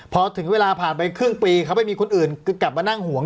พอถึงเวลาผ่านไปครึ่งปีเขาไปมีคนอื่นกลับมานั่งห่วง